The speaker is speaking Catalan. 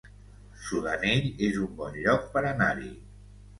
Sudanell es un bon lloc per anar-hi